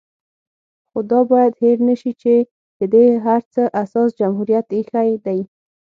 خو دا بايد هېر نشي چې د دې هر څه اساس جمهوريت ايښی دی